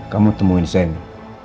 kamu temuin sandy